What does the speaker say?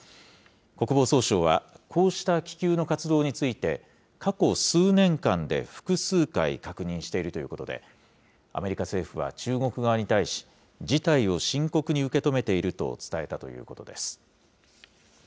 国防総省は、こうした気球の活動について、過去数年間で複数回、確認しているということで、アメリカ政府は中国側に対し、事態を深刻に受け止めていると伝えたということです。